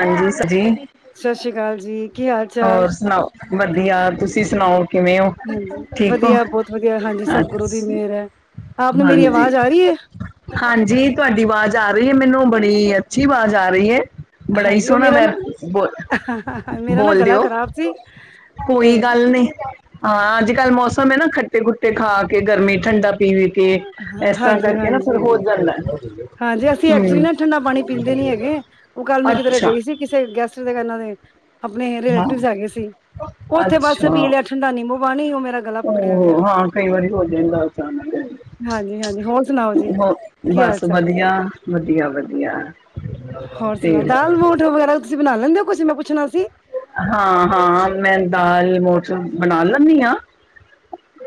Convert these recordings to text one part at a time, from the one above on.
ਹਾਂਜੀ ਸਜੀ। ਸਤਿ ਸ੍ਰੀ ਅਕਾਲ ਜੀ, ਕੀ ਹਾਲ ਚਾਲ? ਸੁਣਾਓ ਵਧੀਆ ਤੁਸੀਂ ਸੁਣਾਓ ਕਿਵੇਂ ਹੋ? ਹਾਂਜੀ ਠੀਕ ਹੋ ਵਧੀਆ ਬਹੁਤ ਵਧੀਆ ਹਾਂਜੀ, ਸਭ ਗੁਰੂ ਦੀ ਅੱਛਾ ਮਿਹਰ ਹੈ, ਆਪ ਨੂੰ ਮੇਰੀ ਹਾਂਜੀ ਆਵਾਜ਼ ਆ ਰਹੀ ਹੈ? ਹਾਂਜੀ ਤੁਹਾਡੀ ਆਵਾਜ਼ ਆ ਰਹੀ ਹੈ ਮੈਨੂੰ, ਬੜੀ ਅੱਛੀ ਆਵਾਜ਼ ਆ ਰਹੀ ਹੈ। ਬੜਾ ਹੀ ਹਾਂਜੀ ਉਹ ਸੋਹਣਾ ਮੇਰਾ ਮੈਂ ਨਾ ਬੋ ਮੇਰਾ ਨਾ ਬੋਲਦੇ ਗਲਾ ਹੋ। ਖ਼ਰਾਬ ਸੀ ਤੇ ਕੋਈ ਗੱਲ ਨਹੀਂ, ਹਾਂ ਅੱਜ ਕੱਲ੍ਹ ਮੌਸਮ ਹੈ ਨਾ ਖੱਟੇ ਖੁੱਟੇ ਖਾ ਕੇ ਗਰਮੀ ਠੰਡਾ ਪੀਵੇ ਤੇ ਹਾਂ- ਇਸ ਤਰ੍ਹਾਂ ਹਾਂਜੀ, ਕਰਕੇ ਨਾ ਫਿਰ ਹੋ ਹਾਂਜੀ, ਜਾਂਦਾ ਹਾਂਜੀ ਅਸੀਂ ਐਕਚੁਲੀ ਹਮ ਨਾ ਠੰਡਾ ਪਾਣੀ ਪੀਂਦੇ ਨੀ ਹੈਗੇ। ਉਹ ਕੱਲ ਮੈਂ ਕਿਧਰੇ ਅੱਛਾ ਗਈ ਸੀ ਕਿਸੇ ਗੈਸਟ ਦੇ ਕਨਾਂ ਦੇ ਆਪਣੇ ਹਾਂ ਰਿਲੇਟਿਵਸ ਹੈਗੇ ਸੀ ਉੱਥੇ ਬਸ ਅੱਛਾ ਪੀਲਿਆ ਠੰਡਾ ਨੀਬੂ ਪਾਣੀ, ਉਹ ਮੇਰਾ ਗਲਾ ਪਕੜਿਆ ਗਿਆ। ਉਹ ਹਾਂ ਕਈ ਵਾਰੀ ਹੋ ਜਾਂਦਾ ਹਾਂਜੀ, ਹਾਂਜੀ ਹੋਰ ਸੁਣਾਓ ਜੀ ਹੋ ਕੀ ਹਾਲ ਬਸ ਚਾਲ? ਵਧੀਆ। ਵਧੀਆ -ਵਧੀਆ। ਹੋਰ ਤੇ ਸੁਣਾ ਦਾਲ ਮੋਠ ਵਗੈਰਾ ਤੁਸੀਂ ਬਣਾ ਲੈਂਦੇ ਹੋ, ਤੁਸੀੇ ਮੈਂ ਪੁੱਛਣਾ ਸੀ? ਹਾਂ-ਹਾਂ ਮੈਂ ਦਾਲ ਮੋਠ ਬਣਾ ਲੈਂਦੀ ਹਾਂ।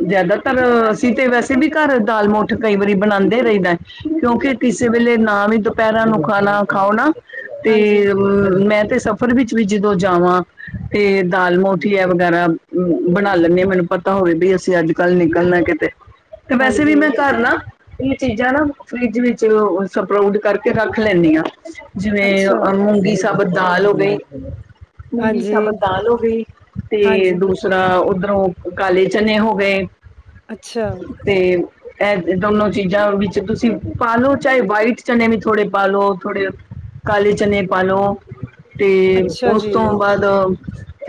ਜ਼ਿਆਦਾਤਰ ਅਸੀਂ ਤੇ ਵੈਸੇ ਵੀ ਘਰ ਦਾਲ ਮੋਠ ਕਈ ਵਾਰੀ ਬਣਾਉਦੇ ਰਹਿੰਦਾ। ਕਿਉਂਕਿ ਕਿਸੇ ਵੇਲੇ ਨਾ ਵੀ ਦੁਪਹਿਰਾਂ ਨੂੰ ਖਾਣਾ ਖਾਓ ਨਾ ਤੇ ਹਾਂਜੀ, ਅ ਮੈਂ ਤੇ ਸਫ਼ਰ ਵਿੱਚ ਵੀ ਜਦੋਂ ਜਾਵਾਂ ਤੇ ਦਾਲ ਮੋਠੀ ਐ ਵਗੈਰਾ ਬਣਾ ਲੈਨੇ ਮੈਨੂੰ ਪਤਾ ਹੋਵੇ ਵੀ ਅਸੀਂ ਅੱਜ ਕੱਲ ਨਿਕਲਣਾ ਕਿਤੇ ਤੇ ਵੈਸੇ ਵੀ ਹਾਂਜੀ। ਮੈਂ ਕਰ ਨਾ ਇਹ ਚੀਜ਼ਾਂ ਨਾ ਫਰਿਜ ਵਿੱਚ ਸਪਰਾਊਡ ਕਰਕੇ ਰੱਖ ਲੈਨੀ ਆ। ਜਿਵੇਂ ਅੱਛਾ, ਮੂੰਗੀ ਸਾਬਤ ਦਾਲ ਹੋ ਗਈ। ਮੂੰਗੀ ਹਾਂਜੀ, ਸਾਬਤ ਦਾਲ ਹੋ ਗਈ ਤੇ ਹਾਂਜੀ, ਦੂਸਰਾ ਉੱਧਰੋਂ ਕਾਲੇ ਚਨੇ ਹੋ ਗਏ। ਅੱਛਾ ਤੇ ਐ ਦੋਨੋ ਚੀਜ਼ਾਂ ਵਿੱਚ ਤੁਸੀਂ ਪਾ ਲੋ ਚਾਹੇ ਵਾਈਟ ਚਨੇ ਵੀ ਥੋੜੇ ਪਾ ਲੋ ਥੋੜੇ ਕਾਲੇ ਚਨੇ ਪਾਲੋ ਤੇ ਅੱਛਾ ਉਸ ਜੀ, ਤੋਂ ਬਾਦ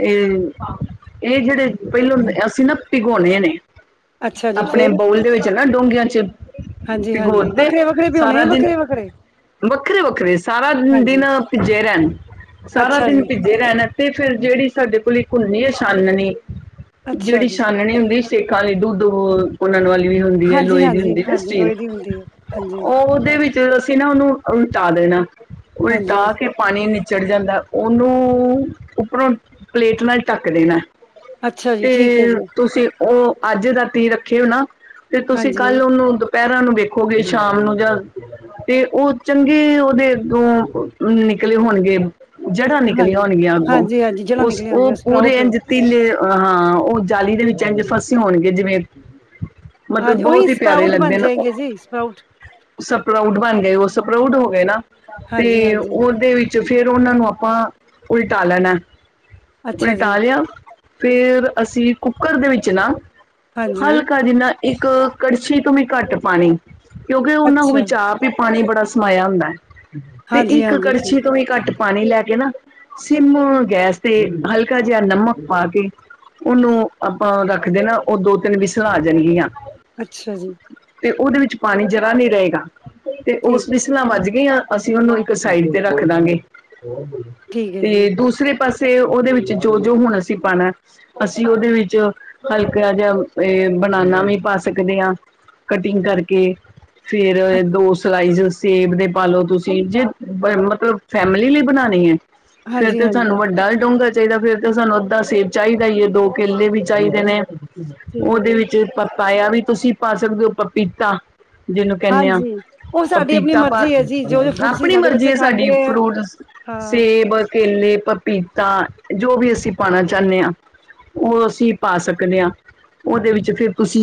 ਏ-ਏ ਜੇੜੇ ਪੈਲੋਂ ਅਸੀਂ ਨਾ ਭਿਗੋਨੇ ਨੇ। ਅੱਛਾ ਜੀ, ਆਪਣੇ ਫੇਰ? ਬਊਲ ਦੇ ਵਿੱਚ ਨਾ ਡੋਂਗਿਆਂ ਚ ਭਿਗੋ ਹਾਂਜੀ-ਹਾਂਜੀ, ਤੇ ਵੱਖਰੇ-ਵੱਖਰੇ ਵੀ ਹੋਣੇ ਸਾਰਾ ਆ ਦਿਨ ਵੱਖਰੇ-ਵੱਖਰੇ, ਵੱਖਰੇ-ਵੱਖਰੇ ਸਾਰਾ ਦਿਨ ਹਾਂਜੀ, ਭਿਜੇ ਰੇਨ ਸਾਰਾ ਅੱਛਾ ਦਿਨ ਜੀ, ਭੀਜੇ ਰਹਿਣ ਤੇ ਫੇਰ ਜੇੜੀ ਸਾਡੇ ਕੋਲ ਇੱਕ ਹੂੰਦੀ ਏ ਛਾਨਣੀ ਅੱਛਾ ਜੇੜੀ ਜੀ, ਛਾਨਣੀ ਹੁੰਦੀ ਛ ਤੇ ਖਾਲੀ ਦੂਧ ਪੂੰਨਣ ਵਾਲੀ ਵੀ ਹੁੰਦੀ ਐ ਲੋਹੇ ਦੀ ਹਾਂਜੀ-ਹਾਂਜੀ, ਹਾਂਜੀ ਹੁੰਦੀ ਨਾ ਹਾਂਜੀ, ਸਟੀਲ ਲੋਹੇ ਦੀ ਹੁੰਦੀ ਏ, ਹਾਂਜੀ, ਉ ਓਦੇ ਵਿੱ ਚ ਤੇ ਅਸੀਂ ਨਾ ਓਨੂੰ ਉਲਟਾ ਦੇਨਾ ਹਾਂਜੀ, ਉਲਟਾ ਕੇ ਪਾਨੀ ਨਿਚੜ ਜਾਂਦਾ ਉਹਨੂੰ ਉੱਪਰੋਂ ਪਲੇਟ ਨਾਲ ਢੱਕ ਦੇਣਾ। ਅੱਛਾ ਜੀ, ਤੇ ਠੀਕ ਹੈ ਜੀ, ਤੁਸੀਂ ਓ ਅੱਜ ਦਾ ਤੀ ਰੱਖੇ ਹੋ ਨਾ ਤੇ ਤੁਸੀਂ ਹਾਂਜੀ, ਕੱਲ ਉਹਨੂੰ ਪਹਿਰਾਂ ਨੂੰ ਵੇਖੋਗੇ ਸ਼ਾਮ ਨੂੰ ਜਾਂ ਤੇ ਉਹ ਚੰਗੇ ਉਹਦੇ ਅਗੋਂ ਨਿਕਲੇ ਹੋਣਗੇ ਜੜ੍ਹਾਂ ਹਾਂ ਨਿਕਲੀਆਂ ਹੋਣਗੀਆਂ ਅੱਗੋਂ ਹਾਂਜੀ-ਹਾਂਜੀ, ਜੜ੍ਹਾਂ ਉਸ ਨਿਕਲੀਆਂ ਹੁੰਦੀਆਂ ਉਹ ਪੂਰੇ ਸਪਰਾਊਟ, ਇੰਜ ਤੀਲੇ ਹਾਂ ਉਹ ਜਾਲੀ ਦੇ ਵਿੱਚ ਏੰਝ ਫਸੇ ਹੋਣਗੇ ਜਿਵੇਂ ਹਾਂ ਮਤਲਬ ਉਹੀ ਬਹੁਤ ਹੀ ਪਿਆਰੇ ਸਪਰਾਊਟ ਬਣ ਲੱਗਦੇ ਨੇ ਜਾਏਗੇ ਜੀ ਸਪਰਾਊਟ। ਸਪਰਾਊਡ ਬਣ ਗੇ ਉਹ ਸਪਰਾਊਡ ਹੋ ਗੇ ਨਾ ਤੇ ਹਾਂਜੀ-ਹਾਂਜੀ, ਉਹਦੇ ਵਿੱਚ ਫੇਰ ਉਹਨਾਂ ਨੂੰ ਪਾਂ ਉਲਟਾ ਲੈਨਾ, ਅੱਛਾ ਜੀ, ਉਲਟਾਲਿਆ ਫੇਰ ਅਸੀਂ ਕੁੱਕਰ ਦੇ ਵਿੱਚ ਨਾ ਹਾਂਜੀ, ਹਲਕਾ ਜਿੰਨਾ ਇੱਕ ਕੜਛੀ ਤੋਂ ਵੀ ਘੱਟ ਪਾਨੀ ਕਿਉਂਕਿ ਉਹਨਾਂ ਨੂੰ ਅੱਛਾ, ਵਿਚ ਆਪ ਵੀ ਪਾਨੀ ਬੜਾ ਸਮਾਇਆ ਹੁੰਦਾ ਤੇ ਇੱਕ ਹਾਂਜੀ-ਹਾਂਜੀ, ਠੀਕ, ਕੜਛੀ ਤੋਂ ਵੀ ਘੱਟ ਪਾਨੀ ਲੈ ਕੇ ਨਾ ਸਿਮ ਗੈਸ ਤੇ ਹਲਕਾ ਜਿਹਾ ਨਮਕ ਪਾ ਕੇ ਉਨੂੰ ਆਪਾਂ ਰੱਖ ਦੇਨਾ ਉਹ ਦੋ-ਤਿੰਨ ਵਿਸਲਾ ਆ ਜਾਣਗੀਆਂ। ਅੱਛਾ ਜੀ। ਤੇ ਉਦੇ ਵਿੱਚ ਪਾਣੀ ਜਰਾ ਨੀ ਰਏਗਾ ਤੇ ਠੀਕ, ਉਸ ਵਿੱਚ ਸਲਾ ਵੱਜ ਗਈਆਂ ਅਸੀਂ ਉਨੂੰ ਇੱਕ ਸਾਈਡ ਤੇ ਰੱਖ ਦਾਂਗੇ ਠੀਕ ਹੈ ਜੀ, ਤੇ ਦੂਸਰੇ ਪਾਸੇ ਤੇ ਓਦੇ ਵਿੱਚ ਜੋ-ਜੋ ਹੁਣ ਅਸੀਂ ਪਾਣਾ। ਅਸੀਂ ਉਦੇ ਵਿੱਚ ਹਲਕਾ ਜਾ ਏ ਬਨਾਨਾ ਵੀ ਪਾ ਸਕਦੇ ਆ। ਕਟਿੰਗ ਕਰਕੇ। ਫੇਰ ਦੋ ਸਲਾਈਜ਼ ਸੇਬ ਦੇ ਪਾ ਲੋ ਤੁਸੀਂ ਜੇ ਮਤਲਬ ਫੈਮਲੀ ਲਈ ਬਨਾਨੇ ਐ ਫੇਰ ਤੇ ਤਾਨੂੰ ਹਾਂਜੀ-ਹਾਂਜੀ, ਵੱਡਾ ਡੋਂਘਾ ਚਾਈਦਾ ਫੇਰ ਤਾਂ ਸਾਨੂੰ ਅੱਧਾ ਸੇਬ ਚਾਈਦਾ ਈ ਐ ਦੋ ਕੇਲੇ ਵੀ ਚਾਈਦੇ ਨੇ। ਠੀਕ ਹੈ ਉਦੇ ਜੀ। ਵਿੱਚ ਪਪਾਯਾ ਵੀ ਤੁਸੀਂ ਪਾ ਸਕਦੇ ਹੋ ਪਪੀਤਾ ਜਿਨੂੰ ਕੇਨੇ ਆ ਹਾਂਜੀ, ਉਹ ਸਾਡੀ ਆਪਣੀ ਪਪੀਤਾ ਪਾ ਮਰਜ਼ੀ ਹੈ ਜੀ, ਜੋ-ਜੋ ਫਰੂਟ ਸੀ ਆਪਣੀ ਸਾਡੇ ਮਰਜ਼ੀ ਬੱਚੇ ਐ ਸਾਡੀ ਖਾਂਦੇ ਹੈ, ਫਰੂਟ ਹਾਂ। ਸੇਬ, ਕੇਲੇ, ਪਪੀਤਾ ਜੋ ਵੀ ਅਸੀਂ ਪਾਣਾ ਚਾਨੇ ਆ। ਔ ਅਸੀਂ ਪਾ ਸਕਦੇ ਆ। ਓਦੇ ਵਿੱਚ ਫੇਰ ਤੁਸੀ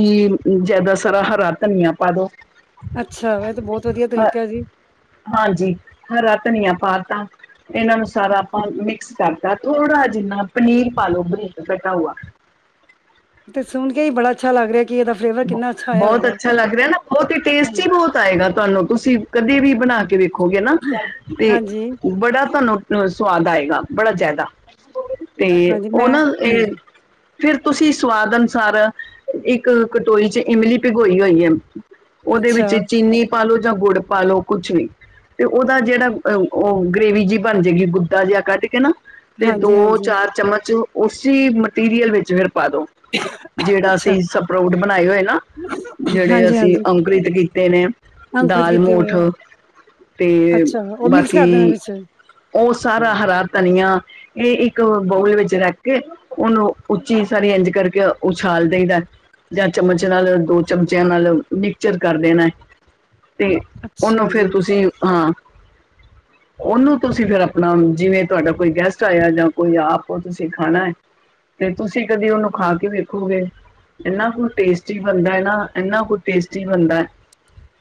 ਜਾਦਾ ਸਾਰਾ ਹਰਾ ਤਨੀਆ ਪਾ ਦੋ। ਅੱਛਾ ਵੈ ਤੇ ਬੋਤ ਵਦੀਆ ਹ ਤਰੀਕਾ ਐ ਜੀ। ਹਾਂਜੀ, ਹਰਾ ਤਨੀਆ ਪਾ ਤਾ। ਇਨਾ ਨੂੰ ਸਾਰਾ ਆਪਾ ਮਿਕਸ ਕਾਰਤਾ ਥੋੜਾ ਜਿਨਾ ਪਨੀਰ ਪਾ ਲੋ ਬਰੀਕ ਕਟਾ‌ ਉਆ। ਤੇ ਸੁਨ ਕੇ ਈ ਬੜਾ ਅੱਛਾ ਲਾੱਗ ਰੇ ਐ। ਬੋ ਬੋਤ ਅੱਛਾ ਲਾੱਗ ਰੇ ਐ ਨਾ ਬੋਤ ਈ ਹਾਂ, ਟੇਸਟੀ ਬੋਤ ਆਏਗਾ ਤੁਆਨੂੰ ਤੁਸੀ ਕਦੀ ਵੀ ਬਨਾ ਕੇ ਵੇਖੋਗੇ ਨਾ ਤੇ ਹਾਂਜੀ, ਬੜਾ ਤੁਆਨੂੰ ਅ ਸਵਾਦ ਆਏਗਾ ਬੜਾ ਜਾਦਾ। ਤੇ ਹਾਂਜੀ ਮੈਂ ਓਨਾ ਏ ਹਾਂਜੀ, ਫੇਰ ਤੁਸੀ ਸਵਾਦ ਅਨੁਸਾਰ, ਇੱਕ ਕਟੋਈ ਚ ਇਮਲੀ ਪਿਗੋਈ ਓਈ ਏ ਓਦੇ ਅੱਛਾ, ਵਿੱਚ ਚੀਨੀ ਪਾਲੋ ਜਾਂ ਗੁੜ ਪਾ ਲੋ ਕੁਛ ਵੀ ਤੇ ਉਦਾ ਜੜਾ ਅ ਓ ਗ੍ਰੇਵੀ ਜੀ ਬਾਨ ਜੇਗੀ ਗੁੱਦਾ ਜੇਆ ਕੱਢ ਕੇ ਨਾ ਤੇ ਹਾਂਜੀ-ਹਾਂਜੀ, ਦੋ-ਚਾਰ ਚਮਚ ਓਸੀ ਮਟੀਰੀਅਲ ਵੇਚ ਫੇਰ ਪਾ ਦੋ ਜੇੜਾ ਅੱਛਾ, ਅਸੀ ਸਪਰੋਟ ਬਣਾਏ ਓਏ ਨਾ, ਜੜੇ ਅਸੀ ਹਾਂਜੀ-ਹਾਂਜੀ, ਅ ਗ੍ਰਿਤ ਕੀਤੇ ਨੇ ਅੰਕੁਰਿਤ ਦਾਲ ਕੀਤੇ ਮੋਠ, ਹੋਏ ਆ, ਤੇ ਅੱਛਾ, ਉਹ ਮਿਕਸ ਕਰ ਦੇਣਾ ਬਾਕੀ ਵਿੱਚ, ਓ ਸਾਰਾ ਹਰਾ ਤਨੀਆ ਏ ਇੱਕ ਬਾਊਲ ਵਿੱਚ ਰਾੱਕ ਕੇ ਉਨੂੰ ਉੱਚੀ ਸਾਰੀ ਇੰਝ ਕਾਰਕੇ ਉਛਾਲ ਦਈ ਦੈ। ਜਾ ਚਮਚ ਨਾਲ ਦੋ ਚਮਚੇਆ ਨਾਲ ਮਿਕਚਰ ਕਰ ਦੇਣੈ। ਤੇ ਓਨੂੰ ਅੱਛਾ ਜੀ, ਫੇਰ ਤੁਸੀ ਅ ਓਨੂੰ ਤੁਸੀ ਫੇਰ ਅਪਨਾ ਜਿਵੇ ਤੁਆਡਾ ਕੋਈ ਗੈਸਟ ਆਏਐ ਜਾਂ ਕੋਈ ਆਪ ਤੁਸੀ ਖਾਨਾ ਏ ਤੇ ਤੁਸੀ ਕਦੀ ਉਨੂੰ ਖਾਕੇ ਵੇਖੋਗੇ ਇੰਨਾ ਕੁ ਟੇਸਟੀ ਬਨਦਾ ਏਨਾ ਐਨਾ ਕੁ ਟੇਸਟੀ ਬਨਦੈ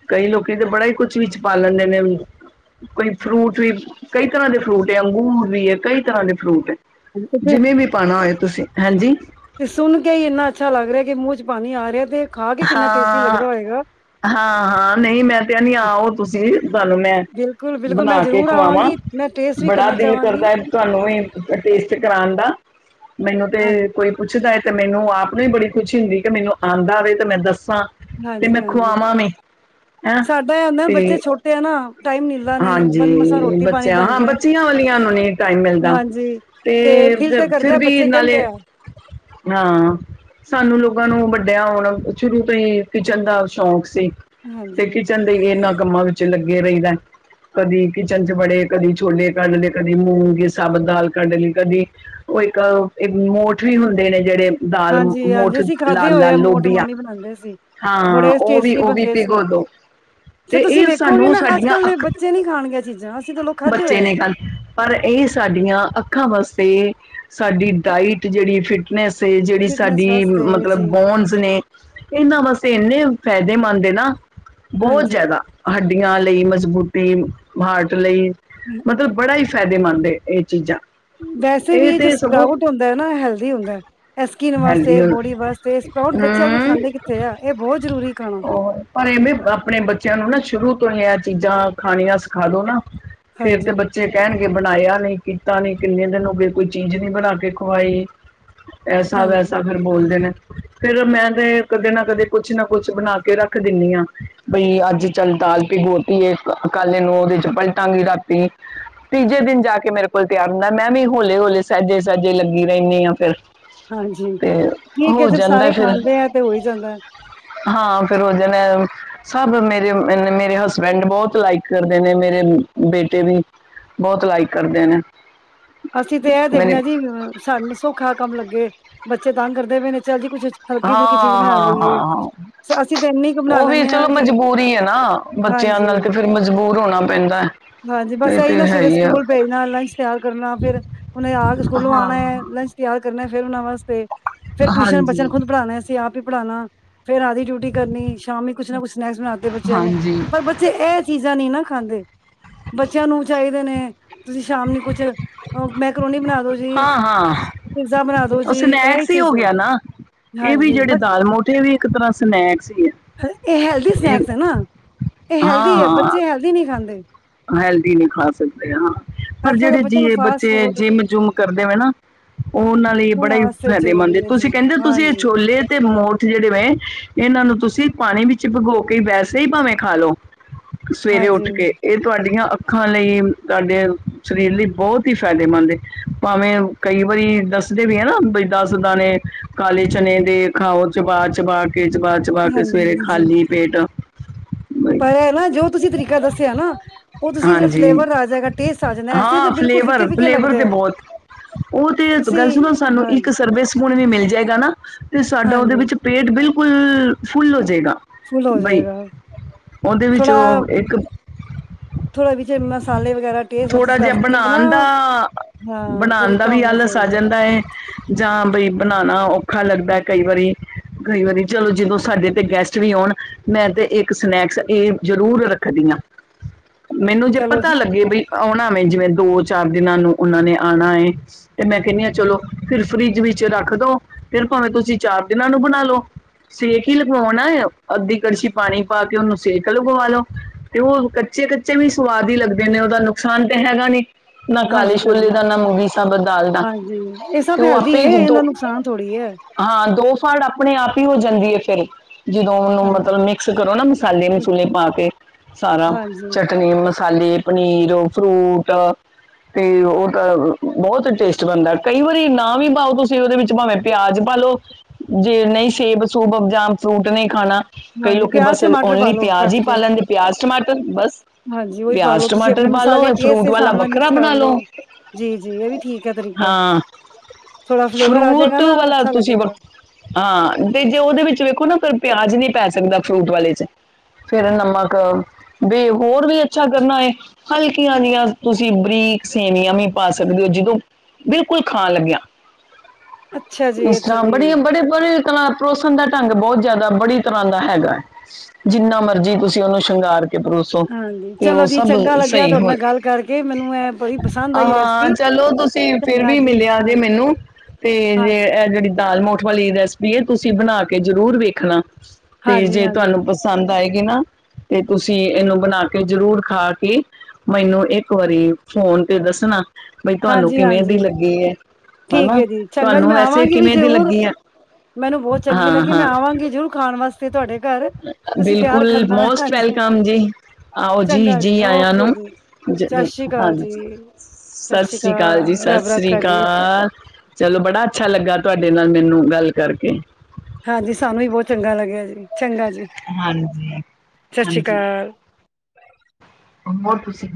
ਕਈ ਲੋਕੀ ਤੇ ਬੜਾ ਈ ਕੁਛ ਵਿੱਚ ਪਾ ਲੈਂਦੇ ਨੇ ਉ ਕੋਈ ਫਰੂਟ ਵੀ ਕਈ ਤਰਾ ਦੇ ਫਰੂਟ ਏ ਅੰਗੂਰ ਵੀ ਏ ਕਈ ਤਰਾ ਦੇ ਫਰੂਟ ਏ। ਤੇ ਫਿਰ ਜਿਵੇ ਵੀ ਪਾਣਾ ਓਏ ਤੁਸੀ ਹੈਂਜੀ ਤੇ ਸੁਨ ਕੇ ਈ ਏਨਾ ਅੱਛਾ ਲਾੱਗ ਰੇਐ ਕਿ ਮੂੰ ਚ ਪਾਨੀ ਆ ਰੇਐ ਤੇ ਖਾ ਕੇ ਕਿੰਨਾ ਟੇਸਟੀ ਹਾਂ, ਲੱਗਦਾ ਹੋਏਗਾ, ਹਾਂ ਨਈ ਮੈਂ ਤੇ ਆਨੀ ਆਓ ਤੁਸੀ ਤਾਨੂੰ ਮੈਂ, ਬਿਲਕੁਲ-ਬਿਲਕੁਲ ਮੈਂ ਬਨਾ ਕੇ ਜ਼ਰੂਰ ਖਵਾਵਾ ਆਵਾਂਗੀ, ਮੈਂ ਟੇਸਟ ਵੀ ਬੜਾ ਕਰਨਾ ਦਿਲ ਚਾਹਵਾਂਗੀ, ਕਰਦੈ ਤੁਆਨੂੰ ਵੀ ਟੇਸਟ ਕਰਾਨ ਦਾ, ਮੈਨੂੰ ਹਾਂਜੀ। ਤੇ ਕੋਈ ਪੁੱਛਦਾ ਐ ਤੇ ਮੈਨੂੰ ਆਪ ਨੂੰ ਈ ਬੜੀ ਖੁਸ਼ੀ ਹੁੰਦੀ ਏ ਕਿ ਮੈਨੂੰ ਆਂਦਾ ਵੇ ਤੇ ਮੈਂ ਦੱਸਾ। ਹਾਂਜੀ-ਹਾਂਜੀ, ਹੈਂ ਸਾਡਾ ਐ ਓਦੈ ਬੱਚੇ ਤੇ ਛੋਟੇ ਐ ਨਾ ਟਾਈਮ ਮਿਲਦਾ ਨਹੀਂ ਬ ਮਸਾਂ ਹਾਂਜੀ ਰੋਟੀ ਪਾਣੀ ਬੱਚੇਆਂ, ਬਣ ਹਾਂ ਜਾਏ ਬੱਚਿਆਂ ਵਾਲੀਆਂ ਨੂੰ ਨੀ ਟਾਈਮ ਮਿਲਦਾ। ਹਾਂਜੀ ਤੇ ਫ ਦਿਲ ਤੇ ਫਿਰ ਕਰਦਾ ਵੀ ਬੱਚੇ ਕਹਿੰਦੇ ਨਾਲੇ, ਆ ਆ। ਸਾਨੂੰ ਲੋਕਾਂ ਨੂੰ ਵੱਡੇਆ ਓਣ ਸ਼ੁਰੂ ਤੋਂ ਈ ਕਿਚਨ ਦਾ ਸ਼ੌਕ ਸੀ। ਤੇ ਹਾਂਜੀ, ਕਿਚਨ ਦੇ ਏਨਾਂ ਕੰਮਾਂ ਵੇਚ ਲੱਗੇ ਰਇਦੈ। ਕਦੀ ਕਿਚਨ ਚ ਬੜੇ ਕਦੀ ਛੋਲੇ ਕਾੱਢ ਲੇ ਕਦੀ ਮੂੰਗੀ ਸਾਬਤ ਦਾਲ ਕਾੱਢ ਲੀ ਕਦੀ ਓ ਇੱਕ ਮੋਠ ਵੀ ਹੁੰਦੇ ਨੇ ਜੜੇ ਦਾਲ ਹਾਂਜੀ, ਹਾਂਜੀ ਮੋਠ ਅਸੀਂ ਖਾਧੇ ਹੋਏ ਲਾਲ-ਲਾਲ ਆ ਮੋਠ ਲੋਬੀਆਂ। ਮੰਮੀ ਬਣਾਉਂਦੇ ਸੀ ਹਾਂ ਬੜੇ ਓ ਵੀ ਟੇਸਟੀ ਓ ਵੀ ਬਣਦੇ ਸੀ ਪਿਗੋ ਦੋ, ਤੇ ਇ ਸਾਨੂੰ ਸਾਡੀਆ ਅੱਖਾ ਚੇ ਨੀ ਖਾਣ ਗੇ ਐ ਚੀਜਾ ਬੱਚੇ ਨੇ ਖਾੱਨ ਪਰ ਐ ਈ ਸਾਡੀਆਂ ਅੱਖਾਂ ਵਾਸਤੇ, ਸਾਡੀ ਡਾਇਟ ਤੇ ਜੜੀ ਫਿਟਨੈਸ ਏ ਜੜੀ ਫਿਟਨੈਸ ਸਾਡੀ ਵਾਸਤੇ ਮਤਲਬ ਜੀ ਬੋਨਸ ਨੇ ਏਨਾ ਵਾਸਤੇ ਏਨੇ ਫੈਦੇਮੰਦ ਏ ਨਾ, ਬੋਤ ਹਾਂਜੀ ਜਾਦਾ। ਹੱਡੀਆਂ ਲਈ ਮਜ਼ਬੂਤੀ, ਮਾਰਟ ਲਈ ਮਤਲਬ ਬੜਾ ਹੀ ਫਾਇਦੇਮੰਦ, ਇਹ ਚੀਜ਼ਾਂ ਵੈਸੇ ਵੀ, ਇਹ ਤੇ ਸਗੋਂ ਸਪਰਾਊਡ ਹੁੰਦਾ ਹੈ ਨਾ, ਹੈਲਦੀ ਹੁੰਦਾ ਇਹ ਸਕਿਨ ਹੈਲਦੀ ਵਾਸਤੇ, ਬੋਡੀ ਵਾਸਤੇ, ਸਪਰਾਂਉਂਡ ਬੱਚੇ ਅੱਜ- ਕੱਲ ਹੂੰ ਖਾਂਦੇ ਕਿੱਥੇ ਆ, ਇਹ ਬਹੁਤ ਜ਼ਰੂਰੀ ਖਾਣਾ ਔਰ ਪਰ ਏ ਵੇਂ ਆਪਣੇ ਬੱਚਿਆਂ ਨੂੰ ਨਾ, ਸ਼ੁਰੂ ਤੋਂ ਹੀ ਆ, ਚੀਜ਼ਾਂ ਖਾਣੀਆਂ ਸਿਖਾ ਦੋ ਨਾ ਫੇਰ ਤੇ ਹਾਂਜੀ, ਬੱਚੇ ਕਹਿਣਗੇ, ਬਣਾਇਆ ਨਹੀਂ ਕੀਤਾ ਨਹੀਂ, ਕਿੰਨੇ ਦਿਨ ਹੋ ਗਏ ਕੋਈ ਚੀਜ਼, ਨਹੀਂ ਬਣਾ ਕੇ ਖਵਾਈ ਹਾਂਜੀ ਐਸਾ-ਵੈਸਾ ਫਿਰ ਬੋਲਦੇ, ਨੇ ਫੇਰ ਮੈਂ ਤੇ ਕਦੇ ਨਾ ਕਦੇ ਕੁਛ ਨਾ ਕੁਛ, ਬਣਾ ਕੇ ਰੱਖ ਦਿੰਦੀ ਹਾਂ ਬਈ ਅੱਜ‌ ਚਲ ਦਾਂਲ ਪਗੋਤੀ ਕੱਲ ਇਨੂੰ, ਉਹਦੇ ਪਲਟਾਂਗੇ ਰਾਤੀ ਤੀਜੇ ਦਿਨ ਜਾ ਕੇ, ਮੇਰੇ ਕੋਲ ਤਿਆਰ ਹੁੰਦਾ, ਮੈਂ ਵੀ ਹਲੇ-ਹਲੇ ਸਹਿਜੇ-ਸਹਿਜੇ ਲੱਗੀ ਰਹਿਣੀ ਆ ਫਿਰ ਹਾਂਜੀ, ਤੇ ਠੀਕ ਹੈ ਹੋ ਜਦ ਜਾਂਦਾ ਸਾਰੇ ਫਿਰ ਖਾਂਦੇ ਹੈ, ਤੇ ਹੋ ਹੀ ਜਾਂਦਾ ਹਾਂ, ਫਿਰ ਉਹ ਜਾ ਨੇ, ਸਭ ਮੇਰੇ-ਮੇਰੇ ਹਸਬੈਂਡ ਬਹੁਤ ਲਾਈਕ ਕਰਦੇ ਨੇ, ਮੇਰੇ ਬੇਟੇ ਵੀ ਬਹੁਤ ਲਾਈਕ ਕਰਦੇ ਨੇ, ਅਸੀਂ ਤੇ ਇਹ ਦੇਖਣੇ ਮੇਰੇ ਹਾਂ ਜੀ, ਸਾਨੂੰ ਸੌਖਾ ਕੰਮ ਲੱਗੇ ਬੱਚੇ ਤੰਗ ਕਰਦੇ ਪਏ ਨੇ, ਚੱਲ ਜੀ ਕੁੱਛ ਹਾਂ, ਹਲਕੀ-ਫੁਲਕੀ ਚੀਜ਼ ਬਣਾ ਹਾਂ, ਲਈਏ। ਹਾਂ, ਹਾਂ ਸ ਅਸੀਂ ਤੇ ਇੰਨੀ ਕੁ ਬਣਾ ਉਹ ਵੀ, ਲੈਂਣੇ ਆ ਚਲੋ ਕਿ ਮਜਬੂਰੀ ਹੈ ਨਾ, ਬੱਚਿਆਂ ਨਾਲ, ਤੇ ਹਾਂਜੀ, ਫਿਰ ਮਜਬੂਰ, ਹੋਣਾ ਪੈਂਦਾ ਹਾਂਜੀ, ਬਸ ਇਹ ਇਹੀ ਤੇ ਨਾ ਹੈ ਸਵੇਰੇ ਹੀ ਆ ਸਕੂਲ ਭੇਜਣਾ, ਲੰਚ ਤਿਆਰ ਕਰਨਾ ਫਿਰ ਉਹਨੇ ਆ ਕੇ ਸਕੂਲੋਂ ਹਾਂ ਆਉਣਾ, ਲੰਚ ਤਿਆਰ ਕਰਨਾ, ਫਿਰ ਉਹਨਾਂ ਵਾਸਤੇ, ਫਿਰ ਟਿਊਸ਼ਨ ਬੱਚਿਆਂ ਨੂੰ ਹਾਂਜੀ ਖੁਦ ਪੜਾਣਾ ਫਿਰ ਆਪ ਹੀ ਪੜਾਉਣਾ, ਫੇਰ ਰਾਤ ਦੀ ਡਿਊਟੀ ਕਰਨੀ, ਸ਼ਾਮੀ ਕੁੱਛ ਨਾ ਕੁੱਛ ਸਨੈਕਸ ਬਣਾਤੇ ਬੱਚਿਆਂ ਨੂੰ, ਹਾਂਜੀ ਪਰ ਬੱਚੇ ਇਹ, ਐ ਚੀਜ਼ਾਂ ਨਹੀਂ ਨਾ ਖਾਂਦੇ ਬੱਚਿਆਂ ਨੂੰ ਚਾਹੀਦੇ ਨੇ, ਤੁਸੀਂ ਸ਼ਾਮ ਨੂੰ ਕੁਛ ਮੈਕਰੋਨੀ ਬਣਾ ਦੋ ਜੀ ਹਾਂ ਹਾਂ ਪਿਜ਼ਾ, ਬਣਾ ਦੋ ਉਹ ਜੀ ਇਹੀ ਸਨੈਕਸ ਹੋ ਚੀਜ਼ ਗਿਆ ਨਾ, ਇਹ ਵੀ ਹਾਂਜੀ ਜਿਹੜੇ ਬਟ ਦਾਲ ਮੋਠ ਏ ਵੀ, ਇੱਕ ਤਰ੍ਹਾਂ ਸਨੈਕਸ ਹੀ ਏ ਇਹ ਹੈਲਦੀ ਸਨੈਕਸ ਹੈ ਨਾ, ਇਹ ਹਾਂ ਹੈਲਦੀ ਆ, ਹਾਂ ਬੱਚੇ ਹੈਲਦੀ ਨਹੀਂ ਖਾਂਦੇ। ਹੈਲਦੀ ਨਹੀਂ ਖਾ ਸਕਦੇ ਆ, ਹਾਂ ਪਰ ਅੱਜ ਕੱਲ੍ਹ ਦੇ ਬੱਚਿਆਂ ਨੂੰ ਜਿਹੜੇ ਫਾਸਟ ਬੱਚੇ, ਫੂਡ ਜਿੰਮ- ਜੁਮ ਕਰਦੇ ਵੇ ਨਾ ਉਹ ਉਹਨਾਂ ਲਈ ਬੜਾ ਹੀ ਵਾਸਤੇ ਫਾਇਦੇਮੰਦ, ਜ਼ਰੂਰੀ ਹੈ ਜੀ ਤੁਸੀਂ ਕਹਿੰਦੇ ਤੁਸੀਂ ਇਹ ਹਾਂਜੀ ਛੋਲੇ, ਤੇ ਮੋਠ ਜਿਹੜੇ ਵੇ ਇਹਨਾਂ ਨੂੰ ਤੁਸੀਂ ਪਾਣੀ ਵਿੱਚ ਭਗੋ ਕੇ, ਵੈਸੇ ਹੀ ਭਾਵੇਂ ਖਾ ਲਓ ਸਵੇਰੇ ਉੱਠ ਹਾਂਜੀ ਕੇ ਇਹ ਤੁਹਾਡੀਆਂ ਅੱਖਾਂ ਲਈ, ਤੁਹਾਡੇ ਸਰੀਰ ਲਈ ਬਹੁਤ ਹੀ ਫਾਇਦੇਮੰਦ ਏ ਭਾਵੇਂ ਕਈ ਵਾਰੀ ਦੱਸਦੇ ਵੀ ਆ ਨਾ, ਦੱਸ ਦਾਨੇ ਕਾਲੇ ਚਨੇ ਦੇ ਖਾਓ ਚਬਾ-ਚਬਾ ਕੇ ਚਬਾ ਚਬਾ, ਕੇ ਸਵੇਰੇ ਹਾਂਜੀ ਜੀ ਖਾਲੀ ਪੇਟ ਬਈ ਪਰ ਏ ਨਾ ਜੋ, ਤੁਸੀਂ ਤਰੀਕਾ ਦੱਸਿਆ, ਨਾ ਉਹ ਤੁਸੀਂ ਹਾਂਜੀ ਫਲੇਵਰ ਆ ਜਾਏਗਾ, ਟੇਸਟ ਆ ਜਾਂਦਾ ਐਸੇ ਹਾਂ ਬਿਲਕੁਲ ਫਲੇਵਰ ਫਿੱਕੇ-ਫਿੱਕੇ ਫਲੇਵਰ ਲਗਦੇ ਤੇ ਆ ਬਹੁਤ ਉਹ ਤੇ ਗੱਲ ਸੁਣੋ, ਇੱਕ ਸਰਵਿਸ ਸਪੌਣ ਵੀ ਮਿਲ ਜਾਏਗਾ ਨਾ, ਤੇ ਸਾਡਾ ਉਹਦੇ ਹਾਂਜੀ ਵਿੱਚ ਪੇਟ ਬਿਲਕੁਲ, ਫੁੱਲ ਹੋ ਜਾਏਗਾ। ਫੁੱਲ ਹੋ ਬਈ, ਜਾਏਗਾ ਉਹਦੇ ਵਿੱਚ ਉਹ, ਇੱਕ ਥੋੜੇ ਵਿੱਚ ਮਸਾਲੇ, ਵਗੈਰਾ ਟੇਸਟ ਥੋੜਾ ਤੁਸੀਂ ਜਿਹਾ, ਦੱਸ ਰਹੇ ਹੋ ਨਾ ਬਣਾਉਣ ਦਾ ਹਾਂ ਬਣਾਉਣ ਦਾ ਤਰੀਕਾ ਵੀ, ਹੋਣਾ ਆਲਸ ਆ ਚਾਹੀਦਾ ਹੈ। ਜਾਂਦਾ ਏ ਜਾਂ ਬਈ ਬਣਾਣਾ ਔਖਾ ਲੱਗਦਾ ਕਈ ਵਾਰੀ, ਕਈ ਵਾਰੀ ਚਲੋ ਜਦੋਂ, ਸਾਡੇ ਤੇ ਗੈਸਟ ਵੀ ਆਉਣ ਮੈਂ ਤੇ, ਇੱਕ ਸਨੈਕਸ ਇਹ ਜ਼ਰੂਰ ਰੱਖਦੀ ਹਾਂ ਮੈਨੂੰ ਜੇ ਚਲੋ ਜੀ ਪਤਾ ਲੱਗੇ ਵੀ ਆਉਣਾ, ਜਿਵੇਂ ਦੋ -ਚਾਰ ਦਿਨਾਂ ਨੂੰ ਉਹਨਾਂ ਨੇ ਆਉਣਾ ਏ ਤੇ ਮੈਂ ਕਹਿੰਦੀ ਹਾਂ ਚਲੋ, ਫਿਰ ਫਰਿੱਜ ਵਿੱਚ ਰੱਖ ਦੋ, ਫਿਰ ਭਾਵੇਂ ਤੁਸੀਂ ਚਾਰ ਦਿਨਾਂ ਨੂੰ ਬਣਾ ਲੋ ਸੇਕ ਹੀ ਲਗਵਾਉਣਾ, ਅੱਧੀ ਕੜਛੀ ਪਾਣੀ ਪਾ ਕੇ, ਉਹਨੂੰ ਸੇਕ ਲਗਵਾ ਲਓ, ਕਿਉਂ ਅੰਕਲ ਕੱਚੇ-ਕੱਚੇ ਵੀ ਸੁਆਦ ਹੀ ਲੱਗਦੇ ਨੇ, ਉਹਦਾ ਨੁਕਸਾਨ ਤਾਂ ਹੈਗਾ ਨਹੀਂ‌ ਨਾ ਹਾਂਜੀ ਕਾਲੇ ਹਾਂਜੀ ਛੋਲੇ ਦਾ, ਨਾ ਮੁਗੀ ਸਬਰ ਦਾਲ ਦਾ, ਹਾਂਜੀ ਇਹ ਸਭ ਤੂ ਹੈਲਦੀ ਆਪੇ ਹੈ ਈ ਦੋ ਇਹਦਾ ਨੁਕਸਾਨ ਥੋੜ੍ਹੀ ਹੈ ਹਾਂ, ਦੋ ਫਾਲਟ ਆਪਣੇ ਆਪ ਹੀ ਹੋ ਜਾਂਦੀ ਹੈ ਫਿਰ, ਜਦੋਂ ਉਹਨੂੰ ਹਾਂਜੀ ਮਤਲਬ ਮਿਕਸ ਕਰੋ ਨਾ, ਮਸਾਲੇ -ਮਸੂਲੇ ਪਾ ਕੇ ਸਾਰਾ। ਹਾਂਜੀ ਪਨੀਰ ਮਸਾਲੇ, ਪਨੀਰ, ਫਰੂਟ ਤੇ ਓ ਤਾਂ ਬੋਤ ਟੇਸਟ ਬਣਦਾ ਕਈ ਵਾਰੀ ਨਾ ਵੀ ਪਾਓ ਤੁਸੀਂ ਓਦੇ ਵਿੱਚ ਭਾਵੇਂ ਪਿਆਜ ਪਾਾਲੋ, ਜੇ ਨਈ ਸੇਬ-ਸੂਬ ਜਾਂ ਫਰੂਟ ਨਈ ਖਾਣਾ ਕਈ ਹਾਂਜੀ ਲੋਕੀ ਪਿਆਜ਼ ਬਸ ਟਮਾਟਰ ਪਾ ਓਨਲੀ ਲਓ ਪਿਆਜ ਕੱਟ ਈ ਪਾ ਕੇ ਲੈਂਦੇ ਪਿਆਜ਼ ਟਮਾਟਰ ਬਸ ਹਾਂਜੀ ਉਹੀ ਪਾ ਲਓ ਪਿਆਜ ਤੁਸੀਂ ਆਪਣੇ ਟਮਾਟਰ ਪਾ ਲੋ ਮਸਾਲੇ ਫਰੂਟ ਵਾਲਾ ਵੱਖਰਾ ਬਣਾ ਲੋ। ਜੀ-ਜੀ ਏ ਵੀ ਠੀਕ ਹੈ ਤਰੀਕਾ, ਥੋੜਾ ਫਲੇਵਰ ਆ ਜਾਏਗਾ ਫਰੂਟ ਨਾ ਵਾਲਾ ਅੱਛਾ ਤੁਸੀਂ ਲੱਗੇਗਾ। ਵਕ- ਹਾਂ, ਤੇ ਜੇ ਓਦੇ ਵਿੱਚ ਵੇਖੋ ਨਾ ਕੋਈ ਪਿਆਜ ਨਈ ਪੈ ਸਕਦਾ ਫਰੂਟ ਵਾਲੇ ਚ। ਫੇਰ ਨਮਕ ਬੀ ਹੋਰ ਵੀ ਅੱਛਾ ਕਰਨਾ ਹੋਏ? ਹਲਕੀਆਂ ਹ ਜਿਆਂ ਤੁਸੀਂ ਬਰੀਕ ਸੇਵੀਆਂ ਵੀ ਪਾ ਸਕਦੇ ਹੋ ਜਦੋਂ ਬਿਲਕੁਲ ਖਾਣ ਲੱਗੇਆ, ਅੱਛਾ ਜੀ ਇਸ ਅੱਛਾ ਤਰ੍ਹਾਂ ਜੀ ਬੜੇ- ਬੜੇ- ਬੜੇ ਤ ਪਰੋਸਣ ਦਾ ਢੰਗ ਬਹੁਤ ਜ਼ਾਦਾ ਬੜੀ ਤਰ੍ਹਾਂ ਦਾ ਹੈਗਾ। ਜਿੰਨਾ ਮਰਜੀ ਤੁਸੀਂ ਓਨੂੰ ਸ਼ਿੰਗਾਰ ਕੇ ਪਰੋਸੋ, ਹਾਂਜੀ ਤੇ ਓ ਚਲੋ ਜੀ ਸਭ ਚੰਗਾ ਲੱਗਿਆ ਸਹੀ ਤੁਹਾਡੇ ਹੋਏ ਨਾਲ ਗੱਲ ਕਰਕੇ ਮੈਨੂੰ ਇਹ ਬੜੀ ਪਸੰਦ ਆ, ਆਈ ਹਾ ਰੈਸਪੀ ਚਲੋ ਤੁਸੀ ਤੁਸੀ ਫਿਰ ਚੰਗਾ ਵੀ ਜੀ ਮਿਲਿਆ ਹਾਂ ਜੇ ਮੈਨੂੰ ਤੇ ਜ ਹਾਂਜੀ ਏ ਜੇੜੀ ਦਾਲ ਮੋਠ ਵਾਲੀ ਰੈਸਪੀ ਏ, ਤੁਸੀਂ ਬਣਾ ਕੇ ਜ਼ਰੂਰ ਵੇਖਣਾ ਤੇ ਹਾਂਜੀ ਜੇ ਹਾਂਜੀ ਤੁਆਨੂੰ ਪਸੰਦ ਆਏਗੀ ਨਾ ਤੇ ਤੁਸੀਂ ਏਨੂੰ ਬਣਾ ਕੇ ਜ਼ਰੂਰ ਖਾ ਕੇ, ਮੈਨੂੰ ਏਕ ਵਾਰੀ ਫੋਨ ਤੇ ਦੱਸਣਾ। ਬਈ ਤੁਆਨੂੰ ਕਿਵੇਂ ਦੀ ਹਾਂਜੀ-ਹਾਂਜੀ ਲੱਗੀ ਐ ਠੀਕ ਹਨਾ, ਹੈ ਜੀ ਚੰਗਾ ਜੀ ਤੁਆਨੂੰ ਮੈਂ ਵੈਸੇ ਆਵਾਂਗੀ ਵੀ ਕਿਵੇਂ ਦੀ ਜ਼ਰੂਰ ਲੱਗੀ ਐ। ਮੈਨੂੰ ਬੋਤ ਚੰਗੀ ਲੱਗੀ ਮੈਂ ਆਵਾਂਗੀ ਜ਼ਰੂਰ ਖਾਣ ਵਾਸਤੇ ਤੁਆਡੇ ਘਰ, ਤੁਸੀਂ ਤਿਆਰ ਬਿਲਕੁਲ ਕਰਨਾ ਹੈ। ਮੋਸਟ ਵੈਲਕਮ ਜੀ, ਆਓ ਜੀ- ਜੀ ਆਇਆ ਓਕੇ ਨੂੰ ਜੀ ਜ ਸਤਿ ਸ੍ਰੀ ਅਕਾਲ ਹਾਂਜੀ। ਜੀ ਸਤਿ ਸ੍ਰੀ ਅਕਾਲ ਜੀ -ਸਤਿ ਸ੍ਰੀ ਅਕਾਲ। ਚਲੋ ਬੜਾ ਅੱਛਾ ਲੱਗਾ ਤੁਹਾਡੇ ਨਾਲ ਮੈਨੂੰ ਗੱਲ ਕਰਕੇ। ਹਾਂਜੀ ਸਾਨੂੰ ਵੀ ਬਹੁਤ ਚੰਗਾ ਲੱਗਿਆ ਜੀ ਚੰਗਾ ਜੀ। ਹਾਂਜੀ- ਸਤਿ ਸ੍ਰੀ ਹਾਂਜੀ। ਅਕਾਲ ਹੋਰ ਤੁਸੀਂ